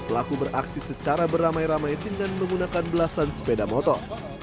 pelaku beraksi secara beramai ramai dengan menggunakan belasan sepeda motor